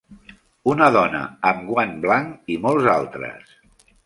Una dona amb guant blanc i molts altres.